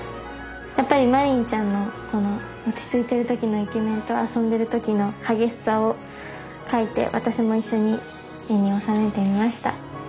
やっぱりマリンちゃんの落ち着いてる時のイケメンと遊んでる時の激しさを描いて私も一緒に絵におさめてみました。